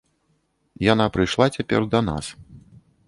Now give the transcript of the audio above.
Яна прыйшла цяпер да нас.